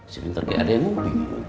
sebentar kayak ada yang hobi